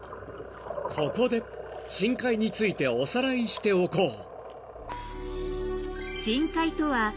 ［ここで深海についておさらいしておこう］